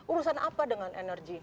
urusan apa dengan energi